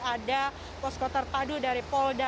ada posko terpadu dari polda